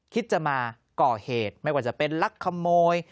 คิดจะมาก่อเหตุไม่ว่าจะเป็นลักขโมย